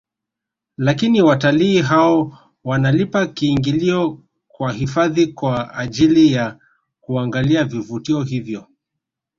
Lakini watalii hao wanalipa kiingilio kwa hifadhi kwa ajili ya kuangalia vivutio hivyo